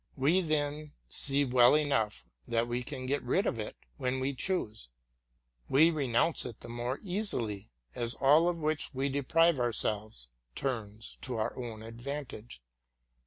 We then see well enough that we can get rid of it when we choose: we renounce it the more easily, as all of which we deprive ourselves turns to our own advantage.